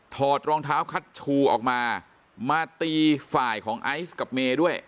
อดรองเท้าคัชชูออกมามาตีฝ่ายของไอซ์กับเมย์ด้วย